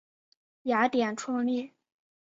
雅典创立。